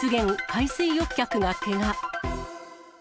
海水浴客がけが。